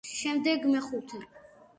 შემდეგ, მეხუთე.